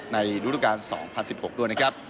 ในฤดูการ๒๐๑๖ด้วยนะครับ